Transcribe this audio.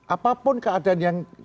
apapun keadaan yang